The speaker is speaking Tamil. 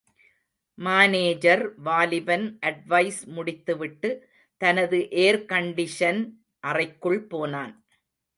மானேஜர் வாலிபன் அட்வைஸ் முடித்துவிட்டு, தனது ஏர்கண்டிஷன் அறைக்குள் போனான்.